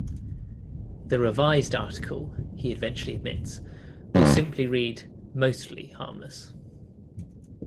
The revised article, he eventually admits, will simply read "Mostly" harmless".